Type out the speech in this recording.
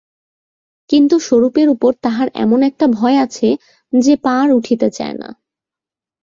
কিন্তু স্বরূপের উপর তাহার এমন একটা ভয় আছে যে পা আর উঠিতে চায় না।